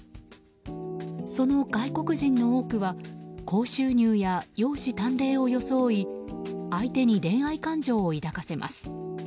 その外国人の多くは高収入や容姿端麗を装い相手に恋愛感情を抱かせます。